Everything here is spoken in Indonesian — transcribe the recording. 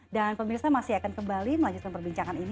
dan pemirsa masih akan kembali melanjutkan perbincangan ini